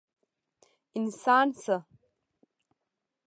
انسان شه!